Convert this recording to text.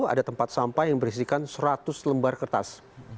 ada tempat sampah yang berisikan seratus lembar kertas